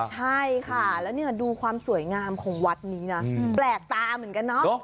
ใช่ค่ะแล้วเนี่ยดูความสวยงามของวัดนี้นะแปลกตาเหมือนกันเนาะ